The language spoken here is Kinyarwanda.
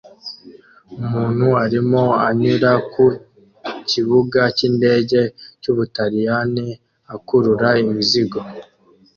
Umuntu arimo anyura ku kibuga cy'indege cy'Ubutaliyani akurura imizigo